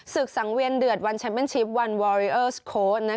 สังเวียนเดือดวันแชมเป็นชิปวันวอริเออร์สโค้ด